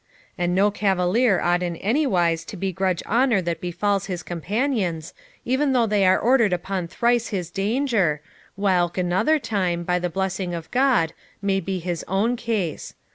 And no cavalier ought in any wise to begrudge honour that befalls his companions, even though they are ordered upon thrice his danger, whilk, another time, by the blessing of God, may be his own case.